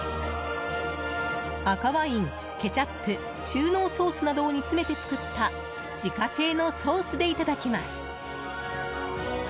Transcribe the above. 赤ワイン、ケチャップ中濃ソースなどを煮詰めて作った自家製のソースでいただきます。